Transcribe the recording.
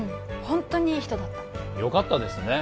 ホントにいい人だったよかったですね